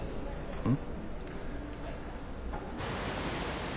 うん。